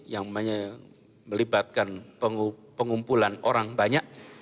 yang melibatkan pengumpulan orang banyak